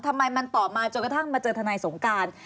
ทำไมมันตอบมาจนกระทั่งมาเจอทนายสงการ